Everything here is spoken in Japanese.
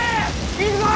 行くぞ！